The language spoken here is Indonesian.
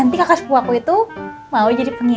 nama sepupu kamu siapa